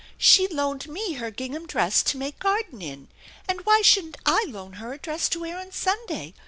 She loaned me her gingham dress to make garden in, and why shouldn't I loan her a dress to wear on Sunday?